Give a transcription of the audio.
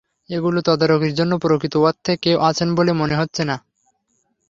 এগুলো তদারকির জন্য প্রকৃত অর্থে কেউ আছেন বলে মনে হচ্ছে না।